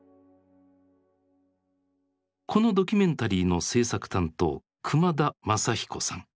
このドキュメンタリーの製作担当熊田雅彦さん。